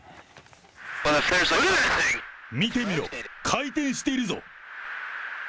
見てみろ、回転しているぞ。